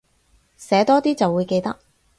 寫多啲就會記得